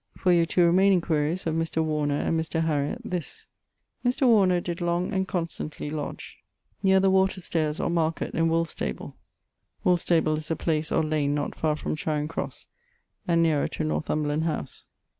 For yʳ two remaining que. of Mr. Warner and Mr. Harriott, this: Mr. Warner did long and constantly lodg nere the water stares or market in Woolstable (Woolstable is a place or lane not far from Charing Crosse, and nerer to Northumberland howse).